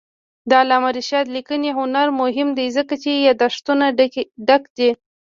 د علامه رشاد لیکنی هنر مهم دی ځکه چې یادښتونه ډک دي.